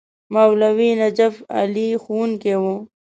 مولوي نجف علي ښوونکی وو.